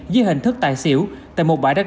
dưới hình thức tài xỉu tại một bãi đất